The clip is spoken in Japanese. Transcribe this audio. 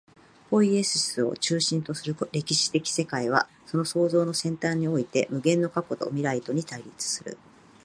ポイエシスを中心とする歴史的世界は、その創造の尖端において、無限の過去と未来とに対立する。